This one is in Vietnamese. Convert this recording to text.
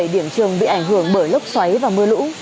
năm mươi bảy điểm trường bị ảnh hưởng bởi lốc xoáy và mưa lũ